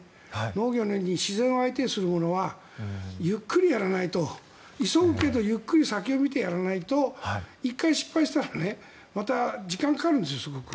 農業のように自然を相手にするものはゆっくりやらないと急ぐけどゆっくり先を見てやらないと１回失敗したら、またすごく時間がかかるんですよ。